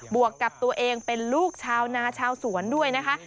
วกกับตัวเองเป็นลูกชาวนาชาวสวนด้วยนะคะ